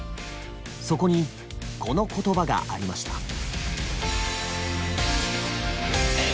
そこにこの言葉がありました。